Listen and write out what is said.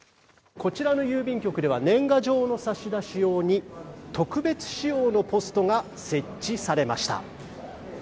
こちらの郵便局では年賀状の差し出し用に特別仕様のポストが設置されました。